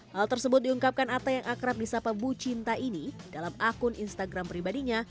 hal tersebut diungkapkan atta yang akrab di sapa bu cinta ini dalam akun instagram pribadinya